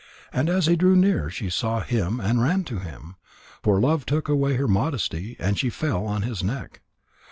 And as he drew near, she saw him and ran to him, for love took away her modesty, and she fell on his neck.